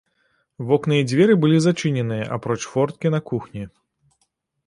Вокны і дзверы былі зачыненыя, апроч форткі на кухні.